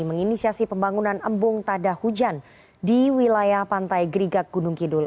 menginisiasi pembangunan embung tada hujan di wilayah pantai gerigak gunung kidul